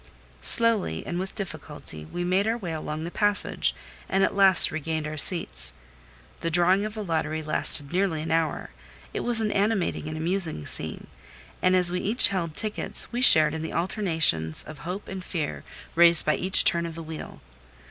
Slowly and with difficulty we made our way along the passage, and at last regained our seats. The drawing of the lottery lasted nearly an hour; it was an animating and amusing scene; and as we each held tickets, we shared in the alternations of hope and fear raised by each turn of the wheel.